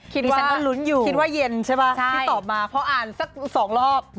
คิดว่าเย็นใช่ไหมที่ตอบมาเพราะอ่านสักสองรอบคิดว่าหลุ้นอยู่